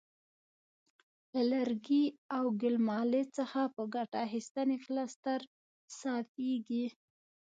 له لرګي او ګل مالې څخه په ګټه اخیستنې پلستر صافیږي.